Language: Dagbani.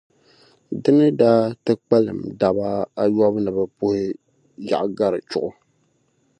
Di ni daa ti kpalim daba ayɔbu ni bɛ puhi Yaɣigari Chuɣu.